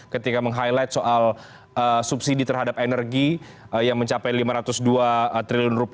ketika meng highlight soal subsidi terhadap energi yang mencapai rp lima ratus dua triliun